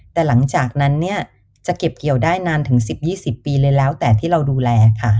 แต่หลังจากนั้นเนี่ยจะเก็บเกี่ยวได้นานถึง๑๐๒๐ปีเลยแล้วแต่ที่เราดูแลค่ะ